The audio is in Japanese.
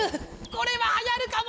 これははやるかも！